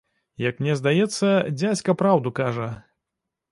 Як мне здаецца, дзядзька праўду кажа.